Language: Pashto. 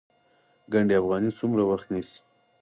ګنډ افغاني څومره وخت نیسي؟